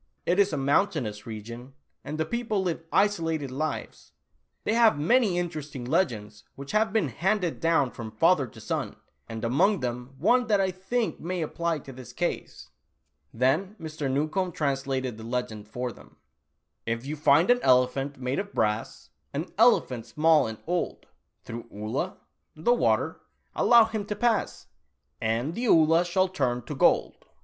It is a mountainous region, and the people live isolated lives. They have many interesting legends which have been handed down from father to son, and among them one that I think may apply to this case." Then Mr. Newcombe translated the legend for them :" If you find an elephant, made of brass, An elephant small and old — Through 'Oolah '— the water — allow him to pass And the Oolah shall turn io eold